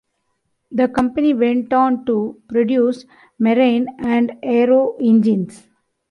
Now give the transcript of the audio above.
The company went on to produce marine and aero engines.